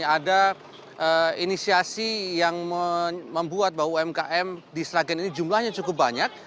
ada inisiasi yang membuat bahwa umkm di sragen ini jumlahnya cukup banyak